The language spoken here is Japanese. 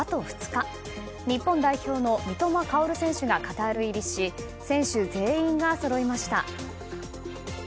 日本代表の三笘薫選手がカタール入りし選手全員がそろいました。